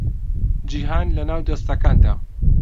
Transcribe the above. جیهان لەناو دەستەکانتە